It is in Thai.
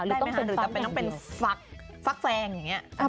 หรือจะเป็นฟักแซงอย่างนี้